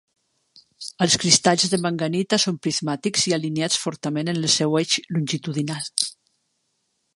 Els cristalls de manganita són prismàtics i alineats fortament en el seu eix longitudinal.